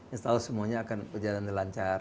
insya allah semuanya akan berjalan lancar